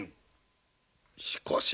しかし。